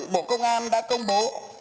bộ công an đã công bố